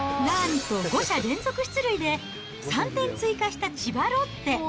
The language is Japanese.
なんと５者連続出塁で、３点追加した千葉ロッテ。